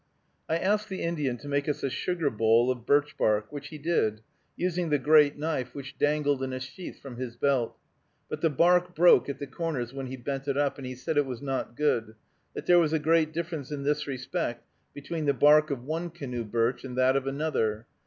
I asked the Indian to make us a sugar bowl of birch bark, which he did, using the great knife which dangled in a sheath from his belt; but the bark broke at the corners when he bent it up, and he said it was not good; that there was a great difference in this respect between the bark of one canoe birch and that of another, _i.